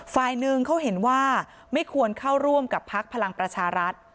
ฝ่ายหนึ่งเขาเห็นว่าไม่ควรเข้าร่วมกับพักพลังประชารัฐ